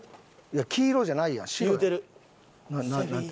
いや黄色じゃないやん白やん。